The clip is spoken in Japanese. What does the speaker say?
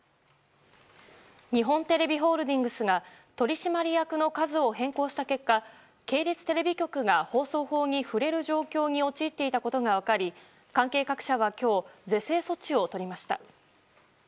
日本テレビホールディングスが取締役の数を変更した結果系列テレビ局が放送法に触れる状況に陥っていたことが分かり関係各社は今日、是正措置を取りました。